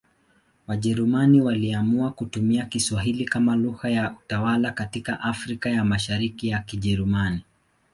Wajerumani waliamua kutumia Kiswahili kama lugha ya utawala katika Afrika ya Mashariki ya Kijerumani.